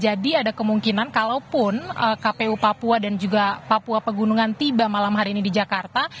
jadi ada kemungkinan kalaupun kpu papua dan juga papua pegunungan tiba malam hari ini di jakarta